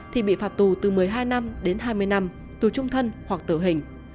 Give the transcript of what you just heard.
thì bị phạt tù từ một mươi hai năm đến hai mươi năm tù trung thân hoặc tử hình